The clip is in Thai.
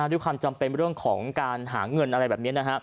ด้วยความจำเป็นเรื่องของการหาเงินอะไรแบบนี้